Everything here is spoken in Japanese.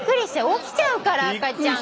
起きちゃうから赤ちゃんが。